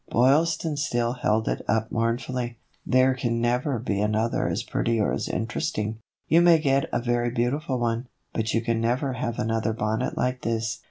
Boylston still held it up mournfully. "There can never be another as pretty or as interesting. You may get a very beautiful one, but you can never have another bonnet like this.